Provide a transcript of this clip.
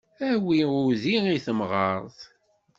Awi udi i temɣart.